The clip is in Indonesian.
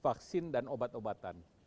vaksin dan obat obatan